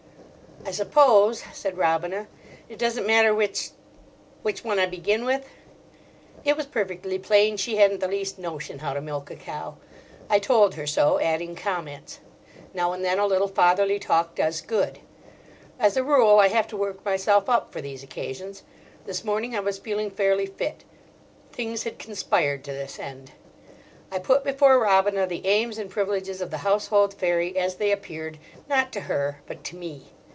"I suppose," said Robina, "it doesn't matter which—which one I begin with?" It was perfectly plain she hadn't the least notion how to milk a cow. I told her so, adding comments. Now and then a little fatherly talk does good. As a rule I have to work myself up for these occasions. This morning I was feeling fairly fit: things had conspired to this end. I put before Robina the aims and privileges of the household fairy as they appeared, not to her, but to me.